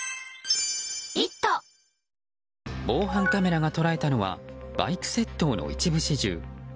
防犯カメラが捉えたのはバイク窃盗の一部始終。